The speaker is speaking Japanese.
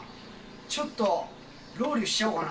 ちょっと、ロウリュウしちゃおうかな。